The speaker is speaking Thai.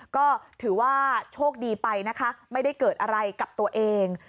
ก็ถือว่าโชคดีไปนะคะไม่ได้เกิดอะไรกับตัวเอง